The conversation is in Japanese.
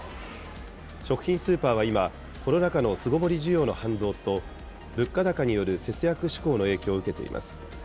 食品スーパーは今、コロナ禍の巣ごもり需要の反動と、物価高による節約志向の影響を受けています。